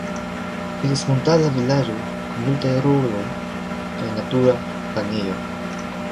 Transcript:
Estas montara vilaĝo kun multaj rojoj kaj natura banejo.